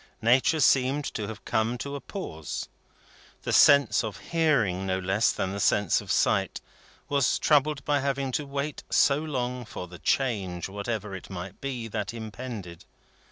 Nature seemed to have come to a pause. The sense of hearing, no less than the sense of sight, was troubled by having to wait so long for the change, whatever it might be, that impended.